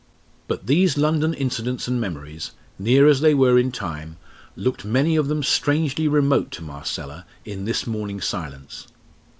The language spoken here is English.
But these London incidents and memories, near as they were in time, looked many of them strangely remote to Marcella in this morning silence.